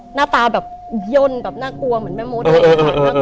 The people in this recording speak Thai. หน้าตาแบบย่นแบบน่ากลัวเหมือนแม่โมเตอร์